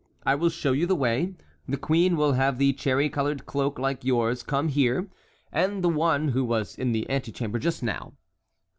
I will show you the way. The queen will have the cherry colored cloak like yours come here—the one who was in the antechamber just now.